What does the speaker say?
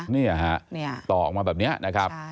นี่ฮะต่อออกมาแบบนี้นะครับ